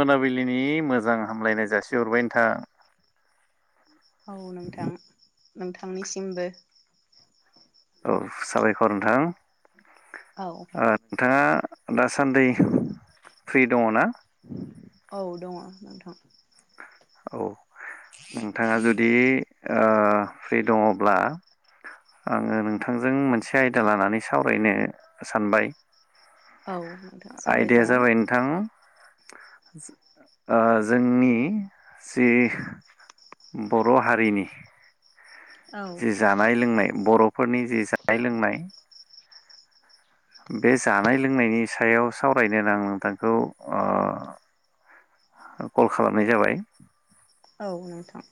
मोनाबिलिनि मोजां हामलायनाय जासिहरबाय नोंथां औ नोंथां नोंथांनिसिमबो औ साबायखर नोंथां औ ओ नोंथाङा दासान्दि फ्रि दङ ना औ दङ नोंथां औ नोंथाङा जुदि ओ फ्रि दङब्ला आङो नोंथांजों मोनसे आयदा लानानै सावरायनो सानबाय औ नोंथां आयदाया सावरायजागोन जाबाय नोंथां ओ जोंनि जि बर' हारिनि जि जानाय लोंनाय बर' फोरनि जि जानाय लोंनाय बे जानाय लोंनायनि सायाव सावरायनोनो आं नोंथांखौ ओ कल खालामनाय जाबाय औ नोंथां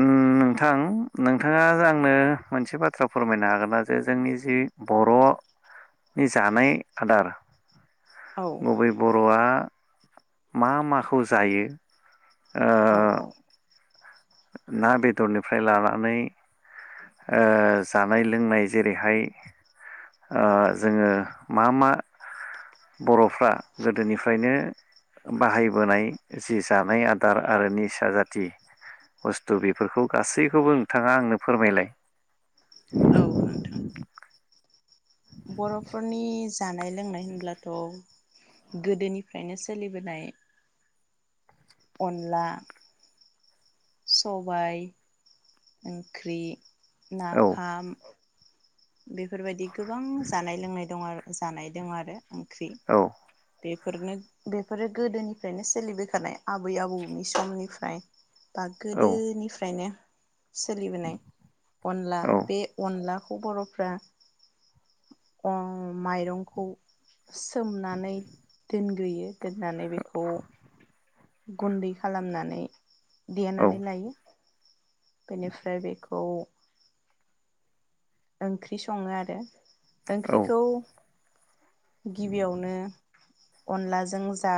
उम नोंथां नोंथाङा आंनो मोनसे बाथ्रा फोरमायनो हागोन ना जे जोंनि जि बर'नि जानाय आदार औ गुबै बर'आ मा माखौ जायो ओ औ औ ना बेदरनिफ्राय लानानै ओ जानाय लोंनाय जेरैहा ओ जोङो मा मा बर'फ्रा गोदोनिफ्रायनो बाहायबोनाय जि जानाय आदार आरो निसा जाति बुस्थु बेफोरखौ गासैखौबो नोंथाङा आंनो फोरमायलाय औ नोंथां बर'फोरनि जानाय लोंनाय होनब्लाथ' गोदोनिफ्रायनो सोलिबोनाय अनला सबाय ओंख्रि औ नाफाम बे बेफोरबायदि गोबां जानाय लोंनाय दं आरो जानाय दं आरो ओंख्रि औ बे बेफोरनो बेफोरो गोदोनिफ्रायनो सोलिबायखानाय आबै आबौनि समनिफ्राय बा औ गोदोनिफ्राय नो सोलिबोनाय अनला औ बे अनला ख बर' फ्रा माइरंखौ सोमनानै दोन। देयो दोननानै बेखौ गुन्दै खालामनानै औ देनानै लायो। बेनिफ्राय बेखौ ओंख्रि सङो आरो ओंख्रिखौ औ गिबियावनो अनलाजों जा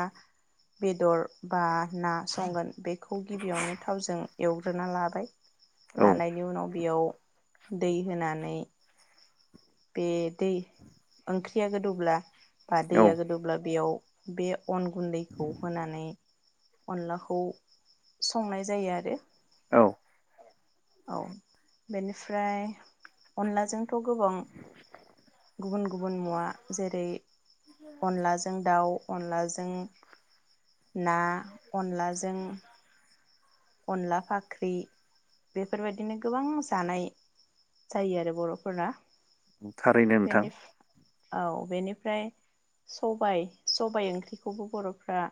बेदर बा ना संगोन बे खौ गिबियावनो थावजों एवग्रोना लाबाय औ लानायनि उनाव बेयाव दै होनानै मै बे दै ओंख्रिया गोदौब्ला बा औ दैया गोदोब्ला बेयाव बे अन गुन्दैखौ होनानै अनलाखौ संनाय जायो आरो। औ औ बेनिफ्राय अनलाजोंथ' गोबां गुबुन गुबुन मुवा जेरै अनलाजों दाउ अनलाजों ना अनलाजों अनला फाख्रि बेफोरबायदिनो गोबां जानाय जायो आरो बर'फोराना थारैनो नोंथां औ बेनिफ्राय सबाय सबाइ ओंख्रिखौबो बर'फ्रा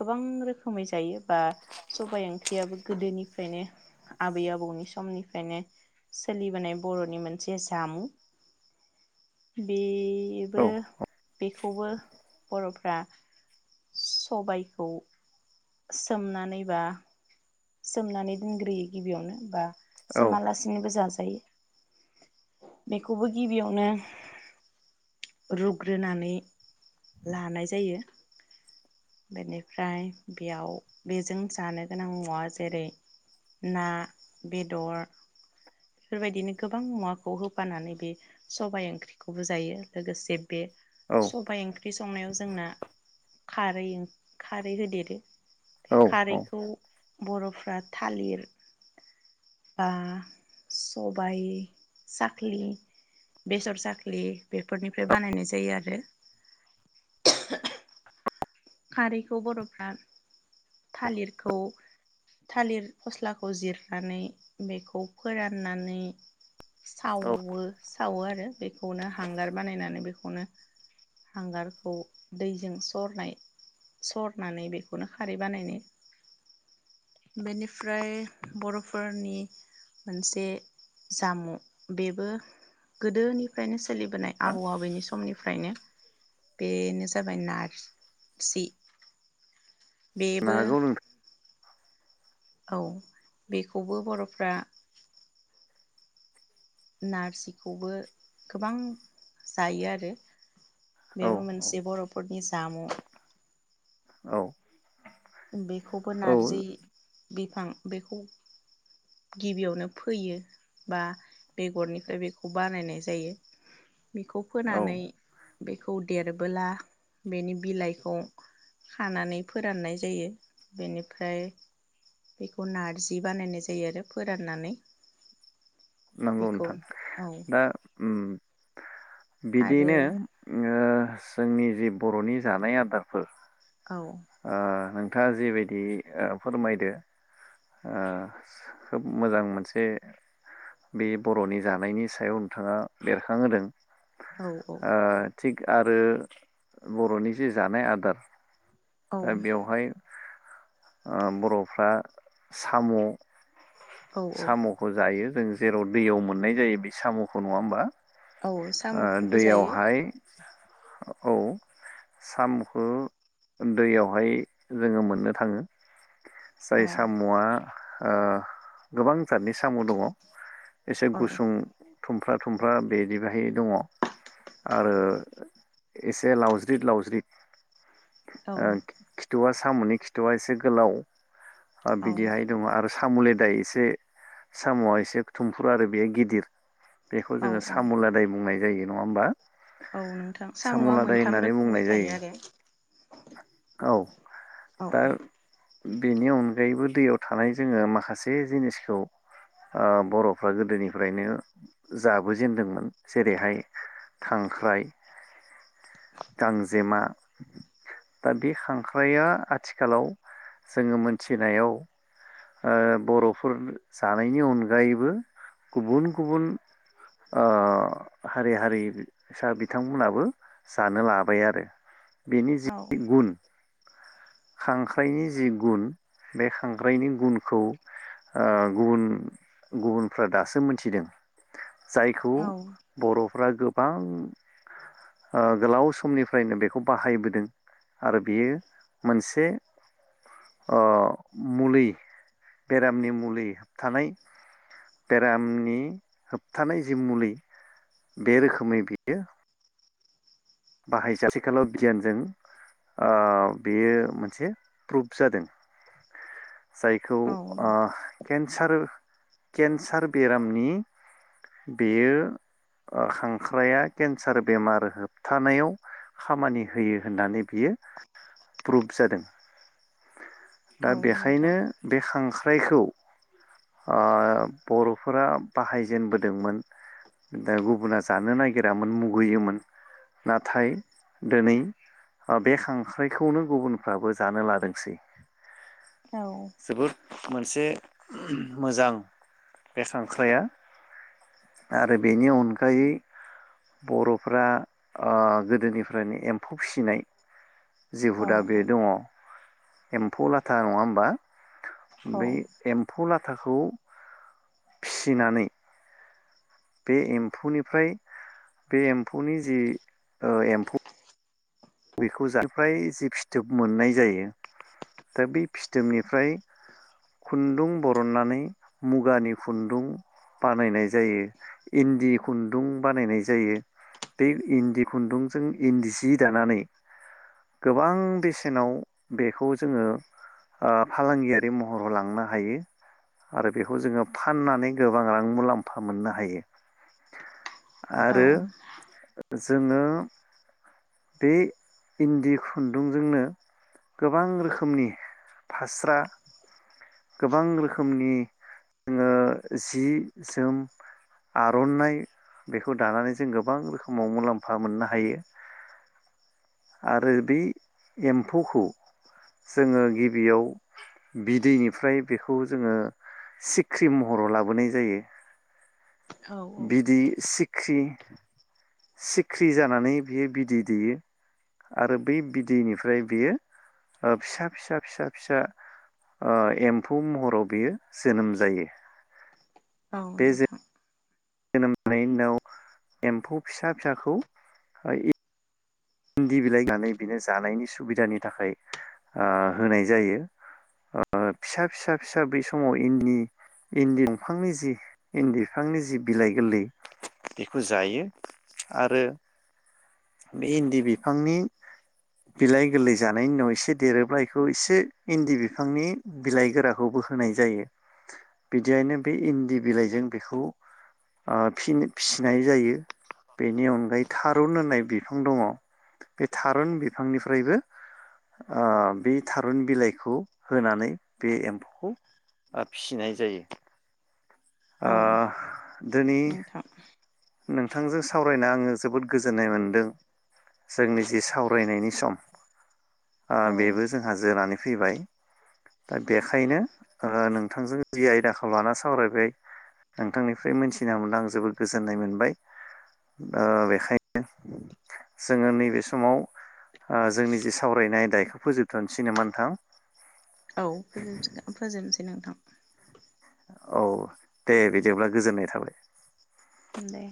गोबां रोखोमै जायो बा सबाय ओंख्रि बियाबो गोदोनिफ्रायनो आबै आबौनि समनिफ्रायनो सोलिबोनाय बर'नि मोनसे जामुं बे औ बेबो बेखौबो बर' सबायखौ सोमनानैबा सोमनानै दोनग्रोयो गिबियावनो बा औ जोमालासिनोबो जाजोब जायो बेखौबो गिबियावनो रुग्रोनानै लानाय जायो बेनिफ्राय बेयाव बेजों जानो गोनां मुवा जेरै ना बेदर बेफोरबायदिनो गोबां मुवाखौ होफानानै बे सबाय ओंख्रिखौबो जायो लोगोसे बे औ सबबाय ओंख्रि संनायाव जोंना थार खारै खारै होदेरो औ औ खारैखौ बर'फ्रा थालिर बा सबाइ साखलि बेसर साख्लि बेफोरनिफ्राय बानायनाय जायो आरो खारैखौ बर'फ्रा थालिरखौ थालिर फस्लाखौ जिरनानै बेखौ फोराननानै औ जानो सावो सावो आरो बेखौनो हांगार बानायनानै बेखौनो हांगारखौ दैजों सरनाय सरनानै बेखौनो खारै बानायनो बेनिफ्राय बर'फोरनि मोनसे जाम' बेबो गोदोनिफ्रायनो स सोलिबोनाय आबौ आबैनि समनिफ्रायनो बेनो जाबाय नारजि बेबो हागौ नोंथां औ बेखौबो बर'फ्रा नारजिखौबो गोबां जायो आरो औ बेबो औ मोनसे बर'फोरनि जाम' औ बेखौबो नारजि औ बिफां बेखौ गिबियावनो फोयो बा बेगरनिफ्राय बेखौ बानायनाय जायो बेखौ औ फोनानै बेखौ देरबोला बेनि बिलाइखौ खानानै फोराननाय ज निफ्राय बेखौ नारजि बानायनाय जायो आरो फोराननानै नांगौ बेखौ नोंथां औ दा उम आरो बिदियैनो जोंनि जि बर'नि जानाय आदारफोर औ ओ नोंथाङा जिबायदि फोरमायदो ओ खोब मोजां मोनसे बे बर'नि जानायनि सायाव नोंथाङा बेरखांहोदों औ औ ओ थिग आरो बर'नि जे जानाय आदार औ दा बेवहाय ओ बर'फ्रा साम' औ औ साम'खौ जायो जों जेराव दैयाव मोननाय जायो बे साम'खौ नङा होमबा? औ ओ साम'खौबो जायो दैयावहाय औ साम'खौ दैयावहाय जोङो मोननो थाङो। जाय औ साम'आ ओ गोबां सादनि साम' दङ एसे औ गुसुं थुमफ्र्रा थुमफ्रा बिदि बाहाय दङ आरो एसे लावज्रिद लावज्रिद औ ओ खिथु'वा साम'नि खिथुआ एसे गोलाव ओ औ बिदिहाय दङ आरो साम'लेदाय एसे साम'आ एसे थुमफुर आरो बेयो गिदिर। बेखौ औ जोङो औ सामुलादाय बुंनाय जायो नङा होमबा? औ नोंथां साम' साम'आ लादाय मोनथाम होननानै बुंनाय रोखोमनि थायो जायो आरो औ दा बेनि अनगायैबो दैयाव थानाय जोङो माखासे जिनिसखौ ओ बर'फ्रा गोदोनिफ्रायनो जाबोजेनदोंमोन। जेरैहाय खांख्राइ गांजेमा दा बे खांख्राया आथिखालाव जोङो मोनथिनायाव ओ बर'फोर जानायनि अनगायैबो गुबुन गुबुन ओ हारि हारिसा बिथांमोनाबो जानो लाबाय आरो बेनि औ जि गुन खांख्राइनि जि गुन बे खांख्राइनि गुनखौ ओ गुबुन गुबुनफ्रा दासो मोनथिदों। जायखौ औ बर' फोरा गोबां ओ गोलाव समनिफ्रायनो बेखौ बाहायबोदों आरो बेयो मोनसे ओे मुलि बेरामनि मुलि होबथानाय बेरामनि होबथानाय जि मुलि बे रोखोमै बियो बाहाय जाबाय [unintelligible] गियानजों ओ बेयो मोनसे प्रुभ जादों। जायखौ औ ओ नोंथां केन्सार केन्सार बेरामनि बेयो ओ खांख्राया केन्सार बेमार होब होबथानायाव खामानि होयो होननानै बियो प्रुभ जादों। [inaudible] दा औ नोंथां बेखायनो बे खांख्राय खांख्राइखौ ओ बर'फोरा बाहायजेनबोदोंमोन दा गुबुना जानो नागिरामोन मुगैयोमोन नाथाय दिनै बे खांख्राइखौनो गुबुनफ्राबो जानो लादों [unintelligible] औ जोबोद मोनसे मोजां बेखांख्राया आरो बेनि अनगायै बर'फ्रा गोदोनिफ्रायनो एम्फौ फिसिनाय जि औ हुदा बे दङ एम्फौ लाथा नङा होमबा औ बै एम्फौ ला खोथाखौ फिसिनानै बे एम्फौनिफ्राय बे एम्फौनि जि एम्फौ बेखौ जाय जि फिथोब मोननाय जायो दा बे फिथोबनिफ्राय खुन्दुं बरननानै मुगानि खुन्दुं बानायनाय जायो इन्दि खुन्दुं बानायनाय जायो बे इन्दि खुन्दुंजों इन्दि सि दानानै गोबां बेसेनाव बेखौ जोङो फालांगियारि महराव लांनो हायो आरो बेखौ जोङो फाननानै गोबां रां मुलाम्फा मोननो हायो औ आरो जोङो बे इन्दि खुन्दुंजोंनो गोबां रोखोमनि फास्रा गोबां रोखोमनि जोङो जि जोम आर'नाइ बेखौ दानानै जों गोबां रोखोमाव मुलाम्फा मोननो हायो आरो बै एम्फौखौ जोङो गिबियाव बिदैनिफ्राय बेखौ जोङो सिख्रि महराव लाबोनाय जायो औ बिदि सि ख्रि सिख्रि जानानै बियो बिदै दैयो आरो बै बिदैनिफ्राय बियो फिसा फिसा फिसा फिसा ओ एम्फौ महराव बियो जोनोम जायो औ बे नोंथां जोनोम जानायनि उनाव एम्फौ फिसा फिसाखौ इन्दि बिलाइ गानै बिनो जानायनि सुबिदानि थाखाय ओ होनाय जायो ओ फिसा फिसा फिसा बै समाव इन्दि इन्दि दंफांनि जि इन्दि बिफांनि जि बिलाइ गोरलै बेखौ जायो आरो बे इन्दि बिफांनि बिलाइ गोरलै जानायनि उनाव एसे देरोब्ला बेखौ एसे इन्दि बिफांनि बिलाइ गोराखौबो होनाय जायो बिदियायनो बे इन्दि बिलाइजों बेखौ फिर फिसिनाय जायो बेनि अनगायै थारुन होननाय बिफां दङ बे थारुन बिफांनिफ्रायबो ओ बे थारुन बिलाइखौ होनानै बे एम्फौखौ फिसिनाय जायो ओ औ दिनै नोंथां नोंथांजों सावरायना आङो जोबोद गोजोननाय मोनदों जोंनि जि सावरायनायनि सम ओ औ बेबो जोंहा जोनानै फैबाय दा बेखायनो आङो नोंथांजों जि आयदाखौ लाना सावरायबाय नोंथांनिफ्राय मोनथिना मोनना आं जोबोद गोजोन गोजोननाय मोनबाय ओ बेखायनो जोङो नैबे समाव ओ जोंनि जे सावरायनाय आयदा बेखौ फोजोबथ'नोसै नामा नोंथां औ फोजोबगोन फोजोबनोसै नोंथां औ दे बिदिब्ला गोजोननाय थाबाय दे